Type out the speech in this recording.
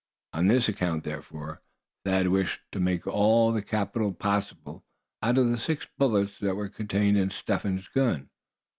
On this account, therefore, Thad wished to make all the capital possible out of the six bullets that were contained in Step Hen's gun.